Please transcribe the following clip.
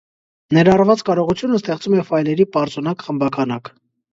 Ներառված կարողությունը ստեղծում է ֆայլերի պարզունակ խմբաքանակ։